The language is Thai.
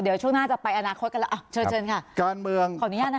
เดี๋ยวช่วงหน้าจะไปอนาคตกันแล้ว